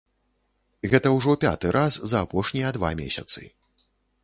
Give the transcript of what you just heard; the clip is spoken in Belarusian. Гэта ўжо пяты раз за апошнія два месяцы.